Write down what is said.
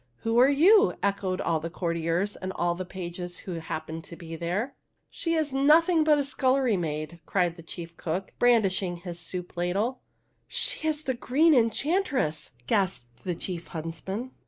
"Who are you?" echoed all the courtiers and all the pages who happened to be there. " She is nothing but a scullery maid/' cried the chief cook, brandishing his soup ladle. She is the Green Enchantress," gasped the chief huntsman.